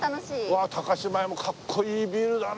うわ高島屋もかっこいいビルだね。